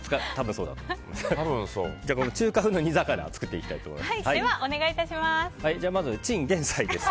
中華風の煮魚を作っていきたいと思います。